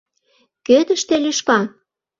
Кӧ тыште лӱшка?